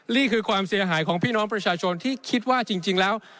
นี่คือความเสียหายของพี่น้องประชาชนที่คิดว่าจริงแล้ว